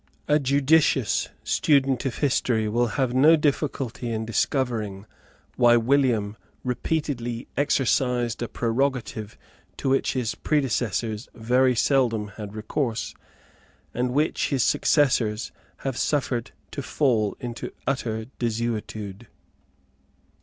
A judicious student of history will have no difficulty in discovering why William repeatedly exercised a prerogative to which his predecessors very seldom had recourse, and which his successors have suffered to fall into utter desuetude.